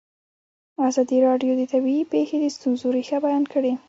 ازادي راډیو د طبیعي پېښې د ستونزو رېښه بیان کړې.